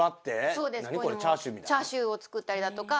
そうですこういうのもチャーシューを作ったりだとか。